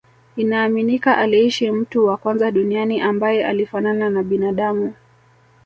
Inaaminika aliishi mtu wa kwanza duniani ambae alifanana na binadamu